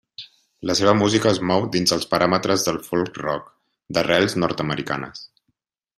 La seva música es mou dins els paràmetres del folk-rock d'arrels nord-americanes.